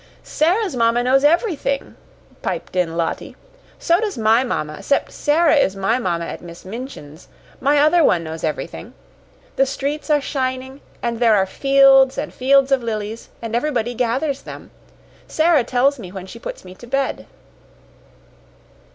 "Sara's mamma knows everything," piped in Lottie. "So does my mamma 'cept Sara is my mamma at Miss Minchin's my other one knows everything. The streets are shining, and there are fields and fields of lilies, and everybody gathers them. Sara tells me when she puts me to bed."